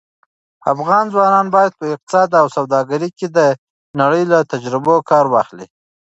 افغان ځوانان باید په اقتصاد او سوداګرۍ کې د نړۍ له تجربو کار واخلي.